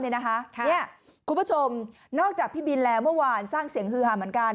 คุณผู้ชมนอกจากพี่บินแล้วเมื่อวานสร้างเสียงฮือหาเหมือนกัน